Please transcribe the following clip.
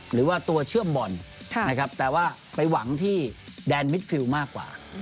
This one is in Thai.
หรือว่าตัวเชื่อมบ่อนนะครับแต่ว่าไปหวังที่แดนมิดฟิลมากกว่า